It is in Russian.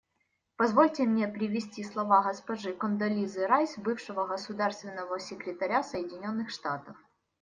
Позвольте мне привести слова госпожи Кондолизы Райс, бывшего государственного секретаря Соединенных Штатов.